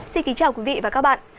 xin kính chào quý vị và các bạn